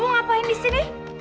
kamu ngapain disini